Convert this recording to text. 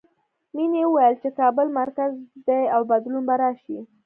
مینې ویل چې کابل مرکز دی او بدلون به راشي